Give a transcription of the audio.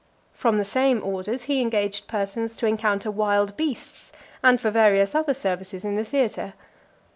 From the same orders, he engaged persons to encounter wild beasts, and for various other services in the theatre.